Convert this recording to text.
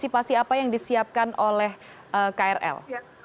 antisipasi apa yang disiapkan oleh krl